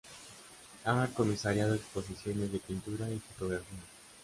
Ha comisariado exposiciones de pintura y fotografía.